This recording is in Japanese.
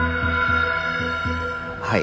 はい。